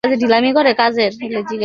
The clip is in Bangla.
কিন্তু, তারা বেশ আছে।